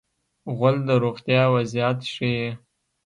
غول د روغتیا وضعیت ښيي.